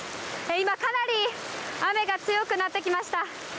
今、かなり雨が強くなってきました。